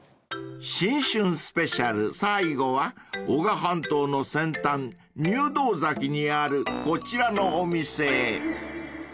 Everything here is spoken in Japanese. ［新春スペシャル最後は男鹿半島の先端入道崎にあるこちらのお店へ］